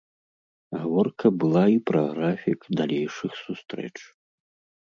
Гаворка была і пра графік далейшых сустрэч.